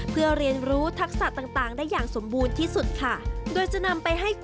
เพื่อเรียนรู้ทักษะต่างได้อย่างสมบูรณ์ที่สุดค่ะ